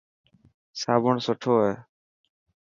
صابڻ سٺو هي.